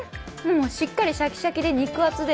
しっかりシャキシャキで肉厚で。